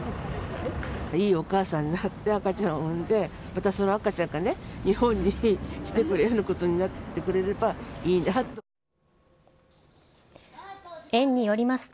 いいお母さんになって、赤ちゃんを産んで、またその赤ちゃんが日本に来てくれるようなことになってくれればいいなと。